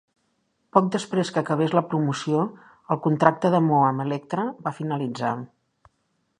Poc després que acabés la promoció, el contracte de Mo amb Elektra va finalitzar.